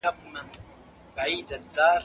مشاورین به د وګړو غوښتنو ته غوږ نیسي.